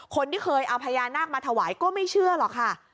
คนที่เคยเอาพญานาคมาถวายก็ไม่เชื่อหรอกค่ะ